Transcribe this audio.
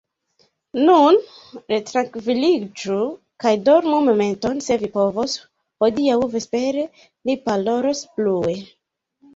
Nun retrankviliĝu kaj dormu momenton, se vi povos, hodiaŭ vespere ni parolos plue.